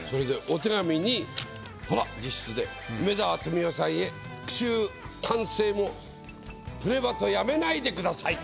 お手紙にほら直筆で梅沢富美男さんへ句集完成もプレバトやめないでください。